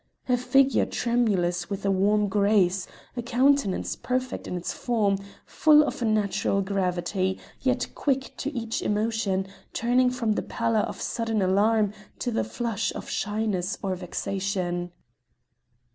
A figure tremulous with a warm grace, a countenance perfect in its form, full of a natural gravity, yet quick to each emotion, turning from the pallor of sudden alarm to the flush of shyness or vexation.